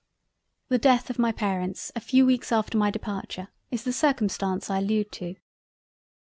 The death of my Parents a few weeks after my Departure, is the circumstance I allude to.